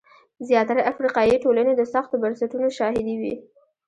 زیاتره افریقایي ټولنې د سختو بنسټونو شاهدې وې.